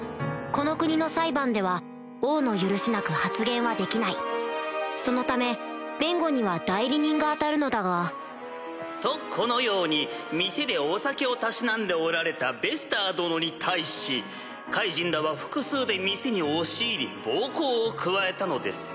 この国の裁判では王の許しなく発言はできないそのため弁護には代理人が当たるのだがとこのように店でお酒をたしなんでおられたベスター殿に対しカイジンらは複数で店に押し入り暴行を加えたのです。